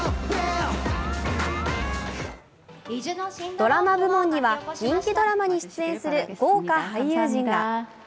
ドラマ部門には人気ドラマに出演する豪華俳優陣が。